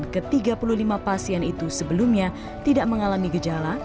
ke tiga puluh lima pasien itu sebelumnya tidak mengalami gejala